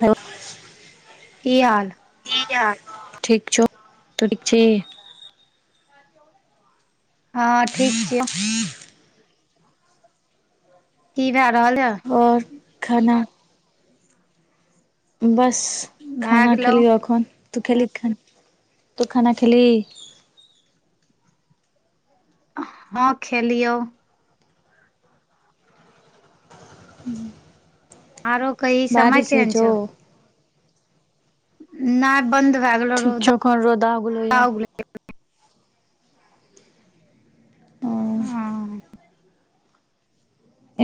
त की हाल ठीक छौ तू ठीक छी हँ ठीक छियै की भए रहल यऽ ओर खाना बस भए खाना गेलौ खेलीह अखन तू खेलही तू खाना खेलही हँ खेलियौ आरो कह ई समय बारिश होइ केहन छौ नहि बन्द भए गेलो ठीक छौ एखन रौदा उगलौ रौडा या उगलै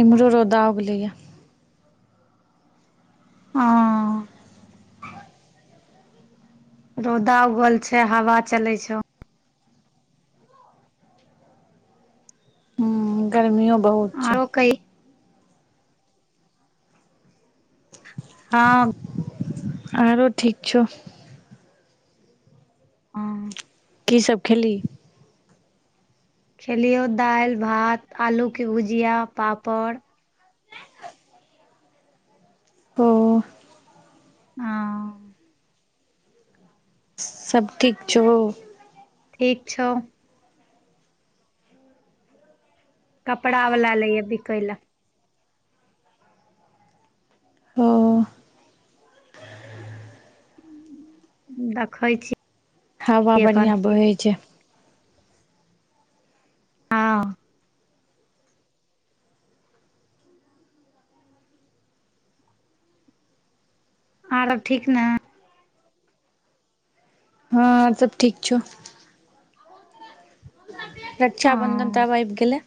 एम्हरो रौदा उगलैय ह रौदा उगल छै हवा चले छौ हूं गर्मीऔ बहुत छै आरो कही हँ आरो ठीक छौ ह की सब खेली खेलियौ दाल भात आलूके भुजिया पापड़ ओ ह [unintelligible] सब ठीक छौ ठीक छौ कपड़ा वाल ले य बिकै ल ओ देखै छी हवा एखन बढ़िया बहै छै हँ आरब ठीक ने हँ सब ठीक छौ रक्षा बंधन हँ त आब आब गेलै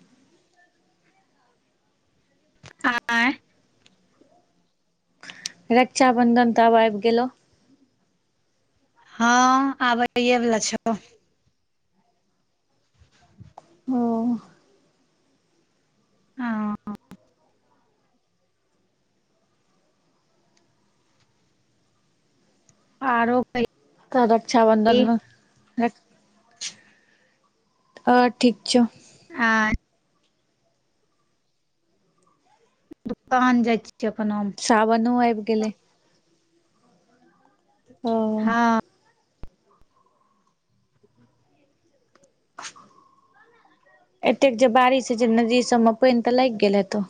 आय [unintelligible] [unintelligible] रक्षाबंधन त आब आबि गेलो हँ आबैए वला छौ हूँ हँ आरो त रक्षाबन्धन कही मे अ ठीक छौ [unintelligible] हँ [unintelligible] दुकान जाइ छियै अपन आम [unintelligible] सावनो आब गेलै ओ हँ एतेक जे बारिश है छैय नदी सब मे पानि त लाग गेल हे तो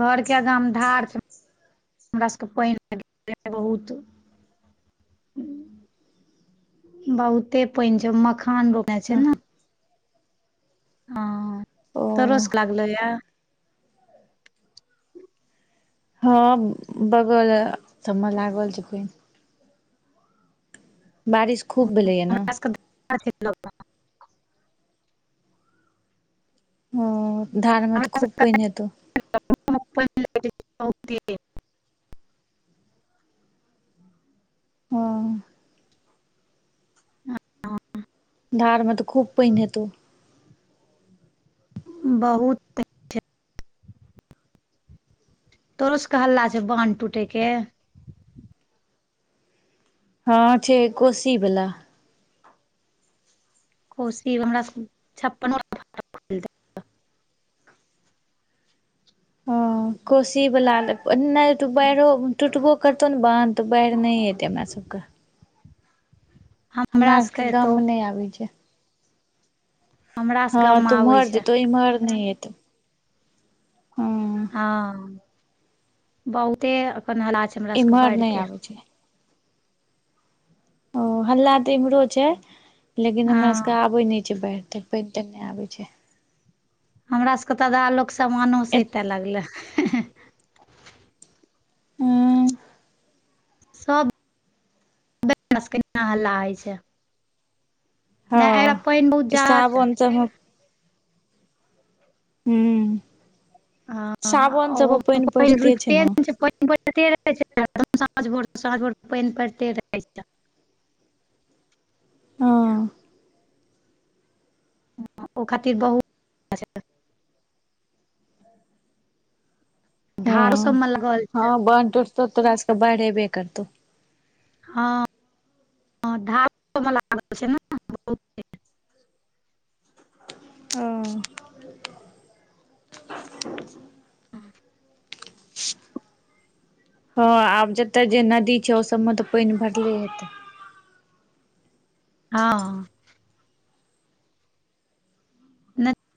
घर के आगा म धार छै हमरा सभकेँ पानि लाग गेलैया बहुत बहुते पानि छै वोमे मखान बोनै छै हँ ने हँ ओ तोरो सकै लागलै य हँ बगल सबमे लागल छै पानि बारिश खूब भेलैय न [inaudible] [inaudible] ओ धाड़ मे त खूब पानि हेतौ ्प [unintelligible] [unintelligible] हँ ह [inaudible] [unintelligible] धार म त खूब पैन हतौ बहुते तोरो सके हल्ला छै बांध टूटे के हँ छै कोसी बला कोसी हमरा सब छप्पना ओ कोसी बला त बारो त त [unintelligible] कटतो न बांध त बाढ़ि नहि एतै हमरा सबके हमरा सबके गाम मे नहि आबै छै हमरा सबके गाम हँ मे तू आबै मोइर छै जेतो ईमहर नहि हँ हँ बहुते अखन हल्ला छै हमरा सबके इम्हर बाढ़ नहि के आबै छै ओ हल्ला त इम्हरो छै लेकिन हमरा सबके हँ आबे नहि छै बैढ़ त प तने आ छै [unintelligible] हमरा सभके त आधा लोक समानो सैते लागलै हूँ सब ब [unintelligible] सबके न हल्ला होइ छै नहि एहि पानि बहुत हँ जादा छै सावन चढ़ल हूँ सावान ओहो सबमे पानि पड़ते छै रुकिते ने नहि पानि परते रहै छै साँझ भोर साँझ भोर पानि परते रहै छै हँ ओ खातिर बहु धारो हँ सबमे लागल छै हँ बांध टुटतो तोरासऽके बाढ़ अबे करतो हँ ह धार लागल छै ने बहुत [unintelligible] हँ हँ [inaudible] हँ आब जतय जे नदी छै ओ सबमे त पानि भरले हेतै हँ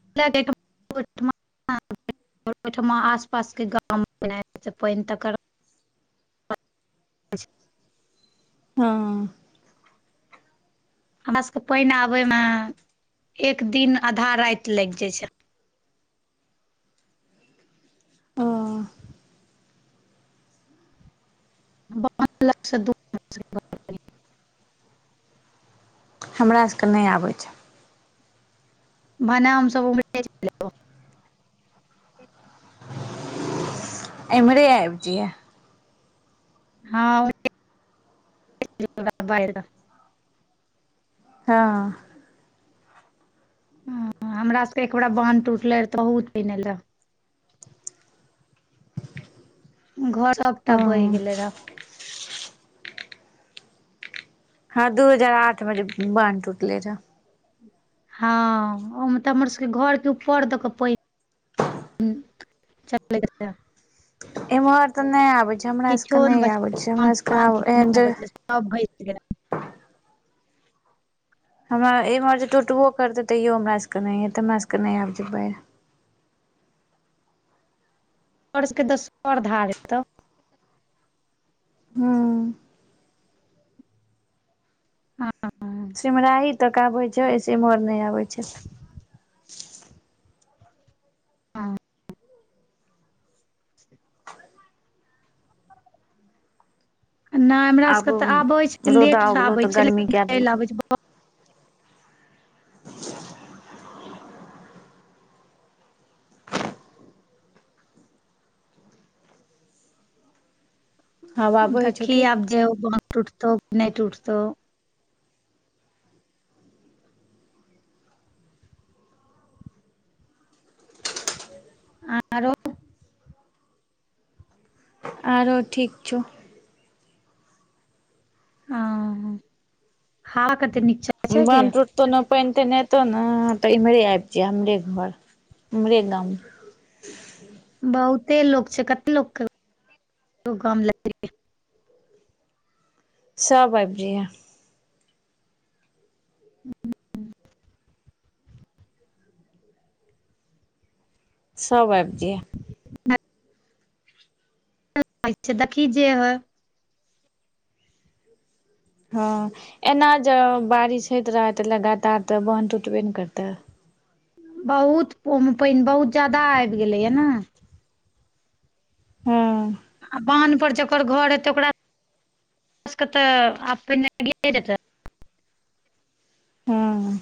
क [unintelligible] ओर ओठमा आस पास के गाँव पानि तकर अछि हं उ हमरा सब के पाइन आबे में एक दिन आधा राति लागि जाय छै ओ ब ल द [unintelligible] हमरा सब के नहि आबै छै भनै हम सब उमरे हे चैल एलौ एमरे आऐब जैऐ हँाज [unintelligible] हाँ ह हमरा सबके एक बेेरा बांध टूटले रहे त हु दीन एलै घर सबटा बहि हँ गेलै रह हँ दू हजार आठ मे जे बान्ध टूटले रह हाँ होम तऽ हमर सब के घर के ऊपर दऽ कऽ पानि चल [unintelligible] इम्हर तऽ नहि आबै छै हमरा सब के नहि आबे छै हमरा सब के तऽ भै गेल हमरा एम्हर जे टूटबो करतै तैयो हमरा सभ के नहि हेतै हमरा सभ के नहि आबि छै बाढ़ तोहर सब के दोसर धार हेतै हुं सिमराही तक अबैए छै ओही से इमहर नहि आबैत छै आ नहि हमरा आब सबके तऽ आबे छै रौदा लेट से उगलौ आबे तऽ छै गर्मी लेकिन कए चलि देलकौ आबए छै [unintelligible] हवा बहै छौ देखी की आब जे उ बांध टुटतौ की नै टुटतौ आरो आरो ठीक छ हाँ हावा कतेक नीक छै चलै गे लेन ट तेना पाइन ताइन ऐतौ ना तऽ इमरै आइब जहिये हमरे घर इमरे बहुते लोक छय कते लोक के गाम लऽ जैबै सब आइब जहिये हूँ [inaudible] सब आइब जहिये छै देखही जे हो हाँ ऐना जऽ बारिश होइत रहै तऽ लगातार तऽ बान्ध टूटबे ने करते बहुत ओन पाइन बहुत ज्यादा आइव गेलैए नै हां आ बान्न पर जकर घर हेते ओकरा के तऽ आब पहिने गिरेतै हाँ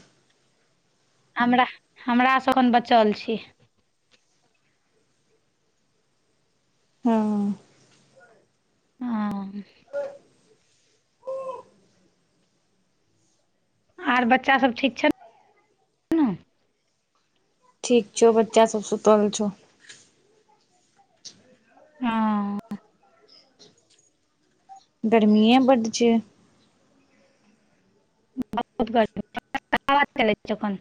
हमरा हमरा स एखन बचल छी हाँ हाँ आर बच्चा सब ठीक छैन ठीक छौ बच्चा सब सुतल छौ हां गर्मी बर छै आवाज च ओन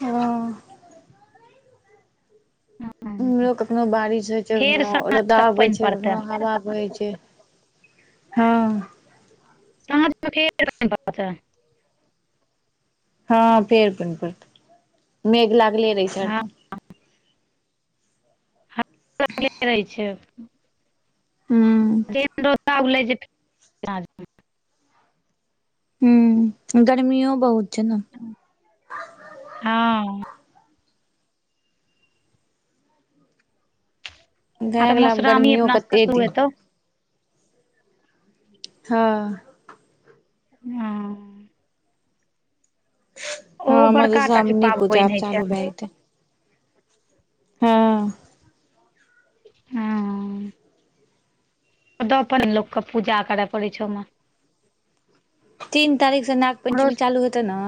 हँ हँ इम्हरो कखनो बारिश होइत छै फेर कखनो साँझ रौदा तक उगय पानि छै पड़तै कखनो हवा बहै छै हं साँझ में प हँ फेर पैन पर मेघ लागले रहै छै हँ हरदम हवा रहै छै हूँ जेहन रस्ता ओ लै छै हं गर्मियो बहुत छै ने हँ आ भए तऽ गेलै आब मधुश्रावणी गर्मियों अपना सबके कते शुरू दिन हेतौ हाँ हम्म ओहो हँ बड़का टा के मधुश्रावणी पूजा पाबनि अब होइ छै चालू भऽ जैतै हँ हँ ओ अपन लोके पूजा करय पड़ै छै ओहिमे तीन तारीख स नाग हमरो पञ्चमी चालू होतै ने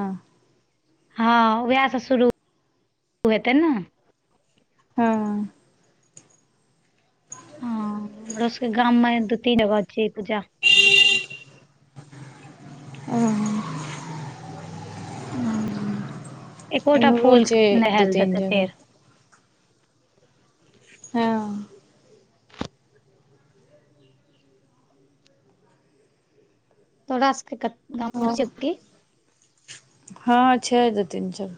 हँ ओएह सँ शुरू हेतै ने हँ हँ [unintelligible] हमरो सबके गाम में दू तीन जगह छियै पूजा ओ हँ एकोटा इम्हरो फूल छै नह दू तीन देतै जगह फेर हँ तोरा सऽस सबके गाँव हँ छौकी हँ छै दू तीन चय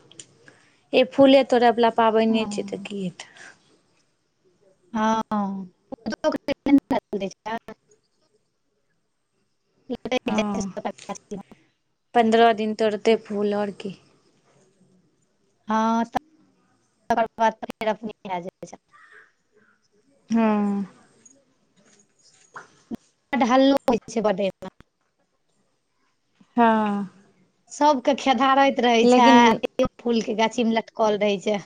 ई फूले तोड़यवला पाबनिए छियै तऽ हँ की हेतै हँ हँ ओ [unintelligible] [unintelligible] छा हँ पन्द्रह दिन तोड़तै फूल ओर की हँ तकर बाद फेर भए जाइ हऽहँ बढ हल्लोहोइ छै बढ़ेमे हँ सब के खेधारैत रहे छै लेकिन ए फूल के गाछी मे लटकल रहै छै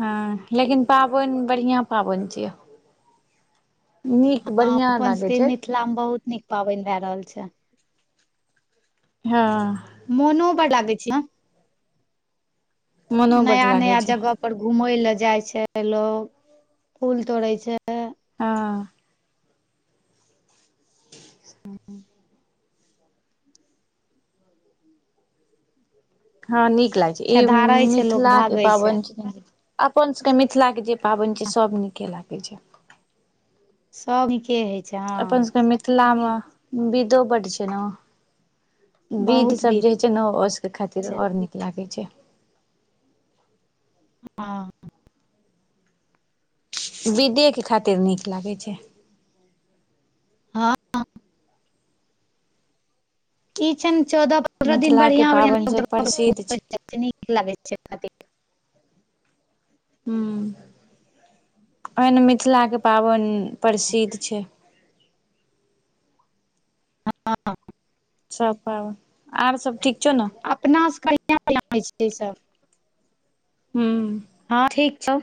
हँ लेकिन पाबैन बढ़िआँ पाबैन छियै नीक बढ़िया अपन लागे सबके छै मिथिला में बहुत नीक पाबैन भए रहल छै हँ मोनो बड़ लागै छै मोनो बड नया लागै नया छै जगह पर घूमे ले जाय छै लोग फूल तोड़े छै हँ हँ नीक लागै छै ई खेदारै छै लोक मिथिलाके भागै पाबैन छै अपन सभ के मिथिलाके जे पाबैन छै सभ नीके लागै छै सब नीके अई अपन सबके मिथिला मे विध्धो बड्ड छै न विध बहुत सब भीड़ जे जेना ओसके खातिर छै ओर नीक लागै छै हँ विदे के खातिर नीक लागै छै हँ ई छैन चौदह पंद्रह दिन मिथिलाके बढ़िया बढ़िया पाबनि लोग सब जगह पर प्रसिद्ध घुमय जाय छै छतिन त नीक लागे छथिन हूॅं अइन मिथिलाके पाबैन प्रसिद्ध छै हँ सब पाबन और सब ठीक छौ न अपनासँ कहिआ बला होइ छै ई सब हूॅं हँ ठीक छौ